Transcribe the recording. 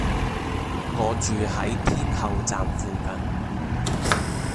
我住喺天后站附近